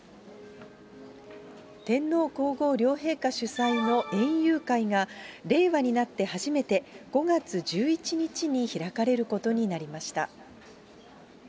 天皇皇后両陛下主催の園遊会が、令和になって初めて、５月１１日に開かれることになりました。